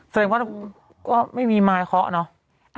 แสดงว่าก็ไม่มีไม้เคาะเนาะ